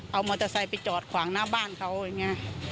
เอามอเตอร์ไซค์ไปจอดขวางหน้าบ้านเขาอย่างนี้